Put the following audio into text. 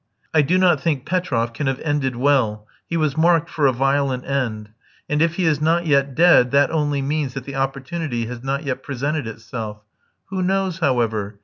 I do not think Petroff can have ended well, he was marked for a violent end; and if he is not yet dead, that only means that the opportunity has not yet presented itself. Who knows, however?